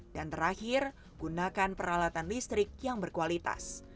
dan terakhir gunakan peralatan listrik yang berkualitas